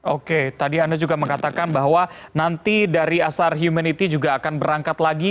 oke tadi anda juga mengatakan bahwa nanti dari asar humanity juga akan berangkat lagi